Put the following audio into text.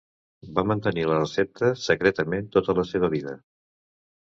Va mantenir la recepta secretament tota la seva vida.